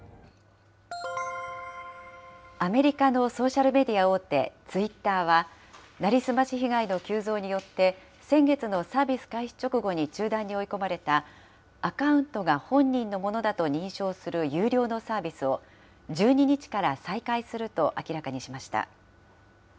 アメリカのソーシャルメディア大手、ツイッターは、成り済まし被害の急増によって、先月のサービス開始直後に中断に追い込まれた、アカウントが本人のものだと認証する有料のサービスを、１２日から再開すると明らかにしました。